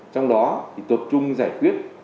trong đó tập trung giải quyết